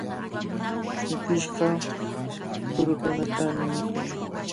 Yukishqa kurukunatami mikun.